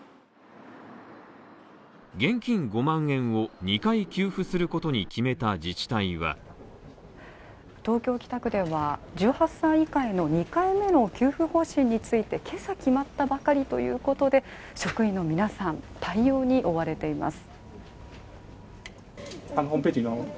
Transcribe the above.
現金５万円を２回給付することに決めた自治体は東京・北区では、１８歳以下への２回目の給付方針について今朝決まったばかりということで、職員の皆さん、対応に追われています。